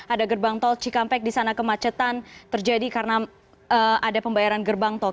ada gerbang tol cikampek di sana kemacetan terjadi karena ada pembayaran gerbang tol